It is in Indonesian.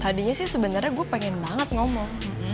tadinya sih sebenarnya gue pengen banget ngomong